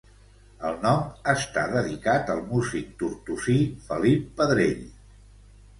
El nom està dedicat al músic tortosí Felip Pedrell.